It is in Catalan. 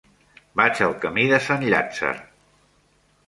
Vaig al camí de Sant Llàtzer.